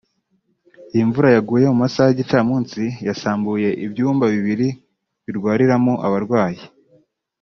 Iyi mvura yaguye mu masaha y’igicamunsi yasambuye ibyumba bibiri birwariramo abarwayi